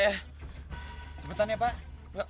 cepetan ya pak